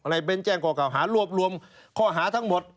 เบ้นแจ้งข้อเก่าหารวบรวมข้อหาทั้งหมด